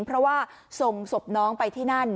เพราะว่าส่งศพน้องไปที่นั่น